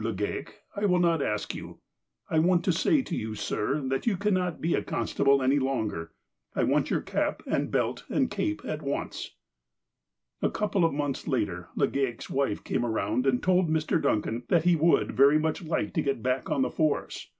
Legale, — I will not ask you. I ■want to say to you, sir, that you cannot be a constable any longer. I want your cap, belt, and cape at once." A couple of months later, Legaic's wife came around and told Mr. Duncan that he would like very much to get back on the force.